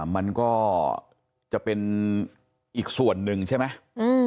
มันก็จะเป็นอีกส่วนหนึ่งใช่ไหม